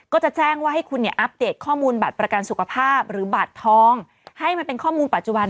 ก็จะแจ้งว่าให้คุณเนี่ยอัปเดตข้อมูลบัตรประกันสุขภาพหรือบัตรทองให้มันเป็นข้อมูลปัจจุบัน